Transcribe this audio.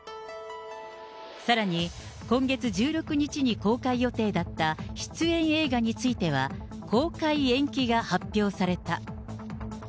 さらに、今月１６日に公開予定だった出演映画については、公開延期が発表された。